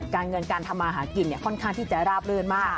การเงินการทำอาหารกินเนี่ยค่อนข้างที่จะราบเลินมาก